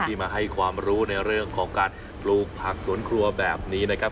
มาให้ความรู้ในเรื่องของการปลูกผักสวนครัวแบบนี้นะครับ